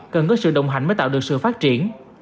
cần có sự đồng hành mới tạo được sự phát triển